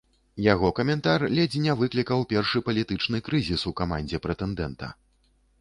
Яго каментар ледзь не выклікаў першы палітычны крызіс у камандзе прэтэндэнта.